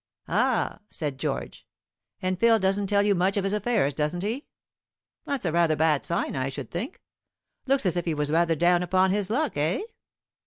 "Ah," said George, "and Phil doesn't tell you much of his affairs, doesn't he? That's rather a bad sign, I should think. Looks as if he was rather down upon his luck, eh?"